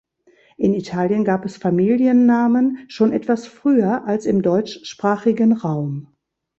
In Italien gab es Familiennamen schon etwas früher als im deutschsprachigen Raum.